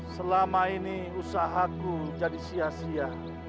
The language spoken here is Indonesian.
selama ini usahaku jadi sia sia